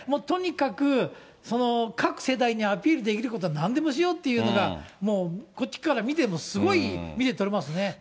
とにかく、各世代にアピールできることはなんでもしようというのが、もうこっちから見てもすごい見て取れますね。